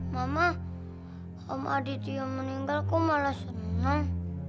mama om aditya meninggal kok malah senang